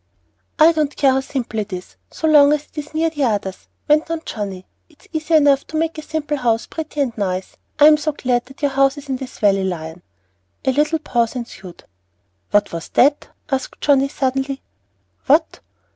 "I don't care how simple it is, so long as it is near the others," went on Johnnie. "It's easy enough to make a simple house pretty and nice. I am so glad that your house is in this valley, Lion." A little pause ensued. "What was that?" asked Johnnie, suddenly. "What?"